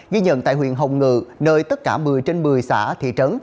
ghi nhận tại huyện hồng ngự nơi tất cả một mươi trên một mươi xã thị trấn